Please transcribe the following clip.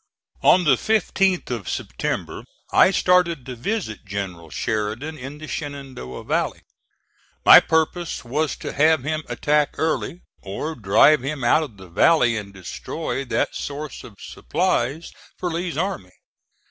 On the 15th of September I started to visit General Sheridan in the Shenandoah Valley. My purpose was to have him attack Early, or drive him out of the valley and destroy that source of supplies for Lee's army.